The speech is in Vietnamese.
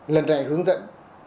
lần này hướng dẫn